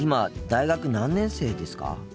大学３年生です。